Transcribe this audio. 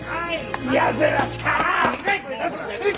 でかい声出すんじゃねえ！